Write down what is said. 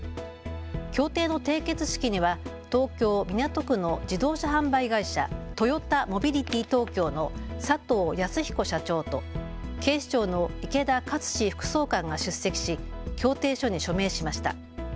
協定の締結式には東京港区の自動車販売会社、トヨタモビリティ東京の佐藤康彦社長と警視庁の池田克史副総監が出席し協定書に署名しました。